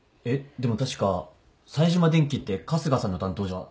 でも確か冴島電機って春日さんの担当じゃ。